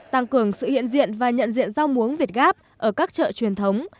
tăng cường sự hiện diện và nhận diện rau muống việt gáp ở các chợ truyền thống